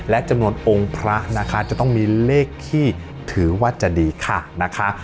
และจำนวนองค์พระนะคะจะต้องมีเลขที่ถือว่าจะดีค่ะนะคะ